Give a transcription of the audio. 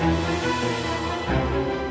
yang sepupu banget